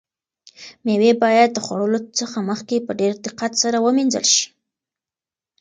مېوې باید د خوړلو څخه مخکې په ډېر دقت سره ومینځل شي.